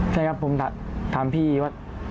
ใช่ครับผมถามพี่ว่า